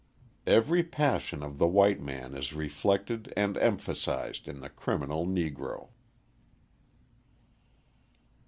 Every passion of the white man is reflected and emphasised in the criminal Negro.